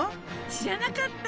知らなかった！